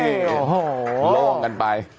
โห้โหโห์โล่งกันไป